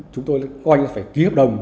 chúng tôi coi như phải ký hợp đồng